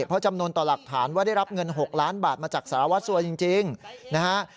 เพราะจำนวนต่อหลักฐานว่าได้รับเงิน๖ล้านบาทมาจากสารวัสซัวจริงนะฮะ